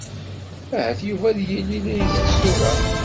Ahat Yuba ad yili la isett tura.